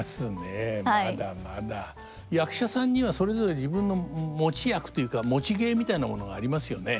役者さんにはそれぞれ自分の持ち役というか持ち芸みたいなものがありますよね。